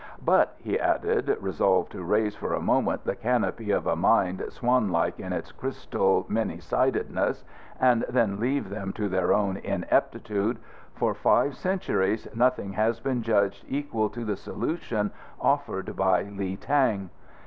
"But," he added, resolved to raise for a moment the canopy of a mind swan like in its crystal many sidedness, and then leave them to their own ineptitude, "for five centuries nothing has been judged equal to the solution offered by Li Tang.